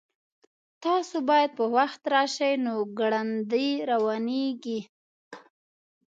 تاسو باید په وخت راشئ نو ګړندي روانیږئ